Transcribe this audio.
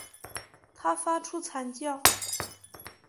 他发出惨叫